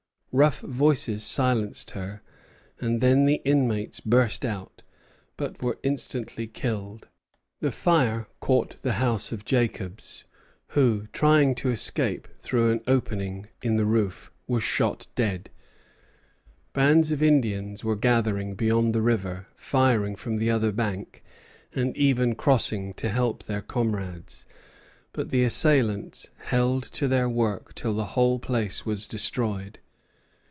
Rough voices silenced her, and then the inmates burst out, but were instantly killed. The fire caught the house of Jacobs, who, trying to escape through an opening in the roof, was shot dead. Bands of Indians were gathering beyond the river, firing from the other bank, and even crossing to help their comrades; but the assailants held to their work till the whole place was destroyed.